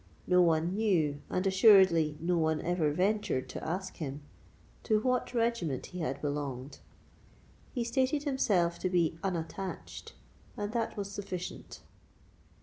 No one knew, and assuredly no one ever ventured to ask him, to what regiment he had belonged. He stated himself to be unattached; and that was sufficient.